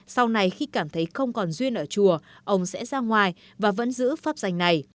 sau này khi cảm thấy không còn duyên ở chùa ông sẽ ra ngoài và vẫn giữ pháp danh này